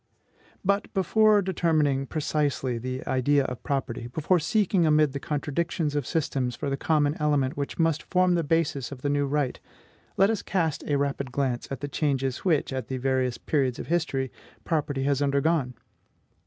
But, before determining precisely the idea of property, before seeking amid the contradictions of systems for the common element which must form the basis of the new right, let us cast a rapid glance at the changes which, at the various periods of history, property has undergone.